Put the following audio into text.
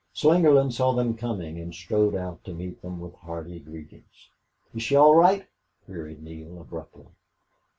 Slingerland saw them coming and strode out to meet them with hearty greeting. "Is she all right?" queried Neale, abruptly.